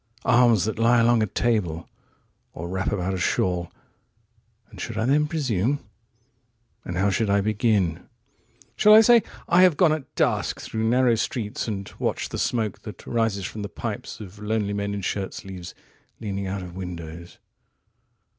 67Arms that lie along a table, or wrap about a shawl.68 And should I then presume?69 And how should I begin?70Shall I say, I have gone at dusk through narrow streets71And watched the smoke that rises from the pipes72Of lonely men in shirt sleeves, leaning out of windows?